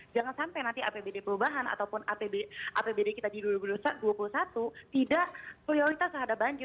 jangan sampai nanti apbd perubahan ataupun apbd kita di dua ribu dua puluh satu tidak prioritas terhadap banjir